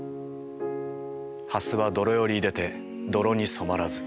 「蓮は泥より出でて泥に染まらず」。